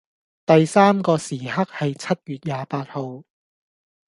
第三個時刻係七月廿八號